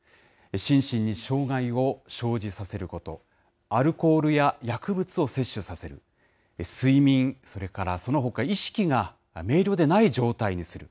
心身に障害を生じさせること、アルコールや薬物を摂取させる、睡眠、それからそのほか意識が明瞭でない状態にする。